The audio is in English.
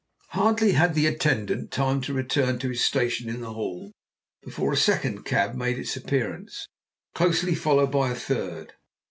Hardly had the attendant time to return to his station in the hall, before a second cab made its appearance, closely followed by a third.